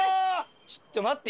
ちょっと待って。